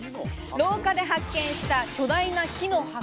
廊下で発見した巨大な木の箱。